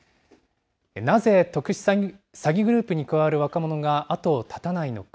なぜ詐欺グループに関わる若者が後を絶たないのか。